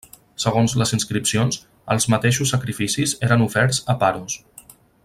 Segons les inscripcions, els mateixos sacrificis eren oferts a Paros.